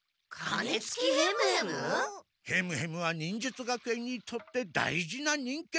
鐘つきヘムヘム！？ヘムヘムは忍術学園にとって大事な忍犬。